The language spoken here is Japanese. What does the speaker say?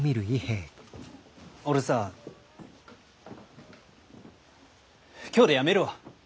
俺さ今日でやめるわ。